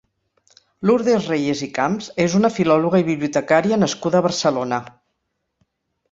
Lourdes Reyes i Camps és una filòloga i bibliotecària nascuda a Barcelona.